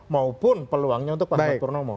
maupun peluangnya untuk pak ahmad purnomo